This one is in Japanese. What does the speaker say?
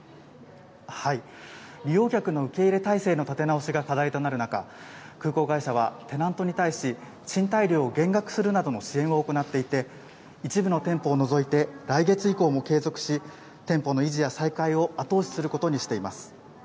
利用客の受け入れ体制の立て直しが課題となる中、空港会社はテナントに対し、賃貸料を減額するなどの支援を行っていて、一部の店舗を除いて、来月以降も継続し、店舗の維持や再開を後押しすることにしています。